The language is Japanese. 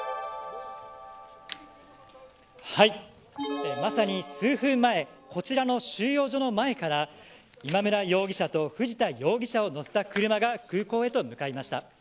フィリピン収容所近くまさに数分前こちらの収容所の前から今村容疑者と藤田容疑者を乗せた車が空港へと向かいました。